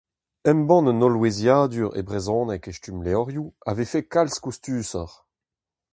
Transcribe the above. Embann un holloueziadur e brezhoneg e stumm levrioù a vefe kalz koustusoc'h.